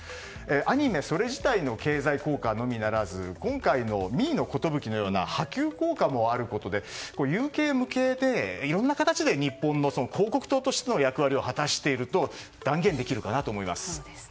アニメそれ自体の経済効果のみならず今回の三井の寿のような波及効果もあることで有形無形でいろんな形で日本の広告塔としての役割を果たしていると断言できるかなと思います。